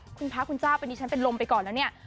คุณพระคุณเจ้าเป็นดิฉันเป็นลมไปก่อนแล้วเนี่ย